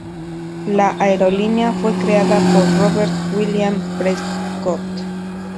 La aerolínea fue creada por Robert William Prescott.